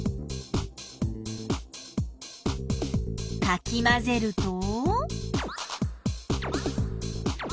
かき混ぜると。